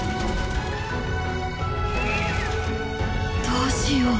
「どうしよう」。